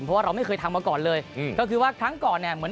เพราะว่าเราไม่เคยทำมาก่อนเลยอืมก็คือว่าครั้งก่อนเนี่ยเหมือน